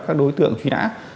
các đối tượng truy nã